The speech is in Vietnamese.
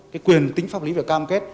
có quyền tính pháp lý và cam kết